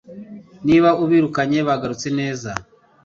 Niba ubirukanye bagarutse neza